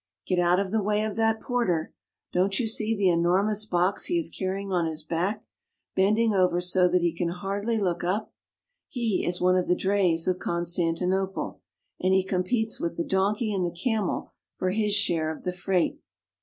Get out of the way of that porter! Don't you see the enormous box he is carrying on his back, bending over so that he can hardly look up ? He is one of the drays of Constantinople, and he competes with the donkey and the camel for his share of the freight.